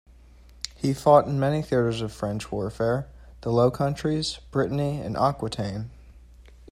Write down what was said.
He fought in many theatres of French warfare: the Low Countries, Brittany, Aquitaine.